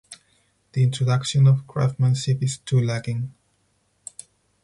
The introduction of craftsmanship is too lacking.